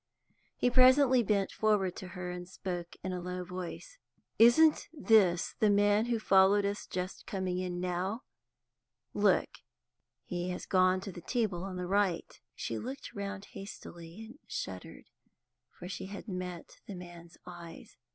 He presently bent forward to her, and spoke in a low voice. "Isn't this the man who followed us just coming in now? Look, he has gone to the table on the right." She looked round hastily, and shuddered, for she had met the man's eyes.